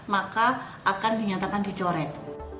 maka akan dinyatakan dicoret